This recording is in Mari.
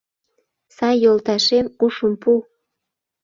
Сай йолташем, ушым пу.